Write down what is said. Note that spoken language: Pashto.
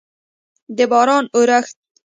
د باران اورښت